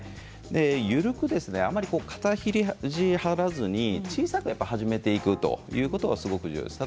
緩く、あまり肩ひじ張らず小さく始めていくということがすごく重要です。